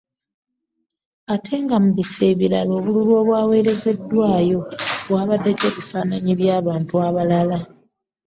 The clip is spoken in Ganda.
Ate nga mu bifo ebirala obululu obwaweerezeddwayo bubaddeko bifanaanyi bya bantu balala.